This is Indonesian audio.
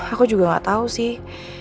aku juga gak tahu sih